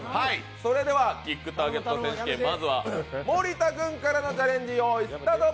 それではキックターゲット選手権、まずは森田君からのチャレンジ。